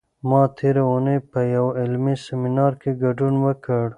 ما تېره اونۍ په یوه علمي سیمینار کې ګډون وکړ.